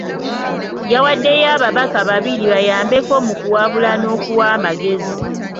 Yawaddeyo ababaka babiri bayambeko mu kuwabula n'okuwa amagezi.